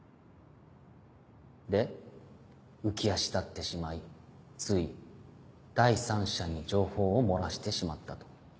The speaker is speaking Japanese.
で浮足立ってしまいつい第三者に情報を漏らしてしまったと。